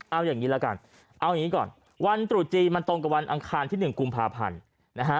เอาอย่างนี้ละกันเอาอย่างนี้ก่อนวันตรุษจีนมันตรงกับวันอังคารที่๑กุมภาพันธ์นะฮะ